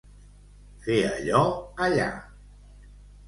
Fer allò allà.